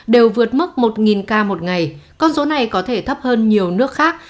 đều vượt mức một ca một ngày con số này có thể thấp hơn nhiều nước khác